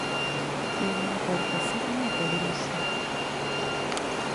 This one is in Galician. Ten un corpo firme e poderoso.